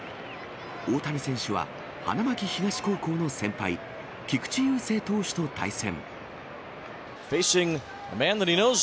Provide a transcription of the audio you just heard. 大谷選手は、花巻東高校の先輩、菊池雄星投手と対戦。